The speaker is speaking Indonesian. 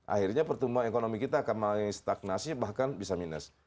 akhirnya pertumbuhan ekonomi kita akan mulai stagnasi bahkan bisa minus